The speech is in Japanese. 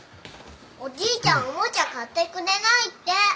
おじいちゃんおもちゃ買ってくれないって。